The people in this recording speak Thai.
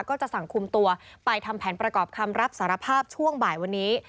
ก็จะสั่งคุมตัวไปทำแผนประกอบคำรับสารภาพช่วงบ่ายวันนี้